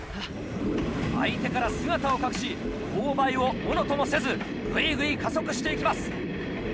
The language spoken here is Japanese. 相手から姿を隠し勾配をものともせずぐいぐい加速して行きます。